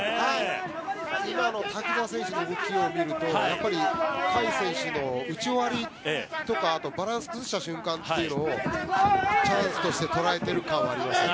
今の瀧澤選手の動きを見るとやはり海選手の打ち終わりとかバランスを崩した瞬間をチャンスとして捉えている感はありますね。